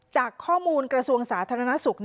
จากข้อมูลกระทรวงสาธารณสุข